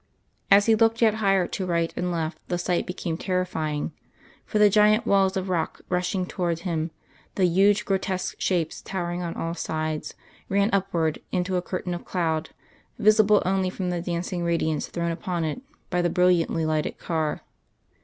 As he looked yet higher to right and left the sight became terrifying, for the giant walls of rock rushing towards him, the huge grotesque shapes towering on all sides, ran upward into a curtain of cloud visible only from the dancing radiance thrown upon it by the brilliantly lighted car.